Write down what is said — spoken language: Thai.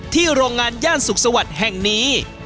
โรงงานย่านสุขสวัสดิ์แห่งนี้